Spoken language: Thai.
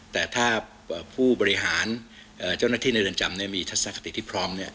แต่ถ้าผู้บริหารเจ้าหน้าที่ในเรือนจำมีทัศนคติที่พร้อม